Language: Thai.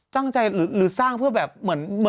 ตั้งใจหรือสร้างเพื่อแบบเหมือน